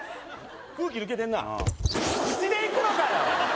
空気抜けてんな口でいくのかよ